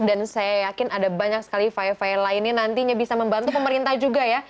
dan saya yakin ada banyak sekali faya faya lainnya nantinya bisa membantu pemerintah juga ya